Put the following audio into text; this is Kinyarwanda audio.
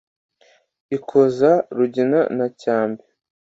ikoza rugina na cyambe